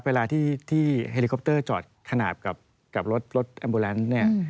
เวลาที่เฮลิคอปเตอร์จอดขนาดกับรถแอมโบแลนซ์เนี่ย